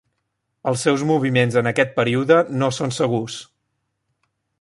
Els seus moviments en aquest període no són segurs.